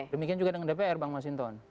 demikian juga dengan dpr bang mas hinton